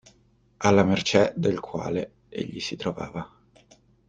Alla mercé del quale egli si trovava.